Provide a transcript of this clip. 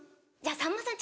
さんまさん